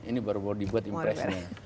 ini baru baru dibuat impresnya